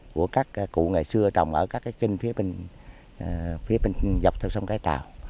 của các cụ ngày xưa trồng ở các cái kinh phía bên dọc theo sông cái tàu